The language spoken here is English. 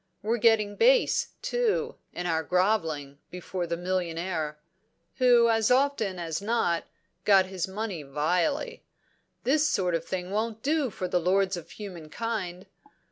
We're getting base, too, in our grovelling before the millionaire who as often as not has got his money vilely. This sort of thing won't do for 'the lords of human kind.'